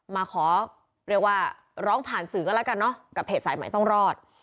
มาขอเรียกว่าร้องผ่านสื่อก็แล้วกันเนอะกับเพจสายใหม่ต้องรอด